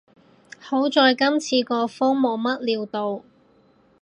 好在今次個風冇乜料到